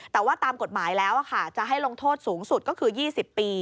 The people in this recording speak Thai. แต่ว่าตามกฎหมายแล้วจะให้ลงโทษสูงสุดก็คือ๒๐ปี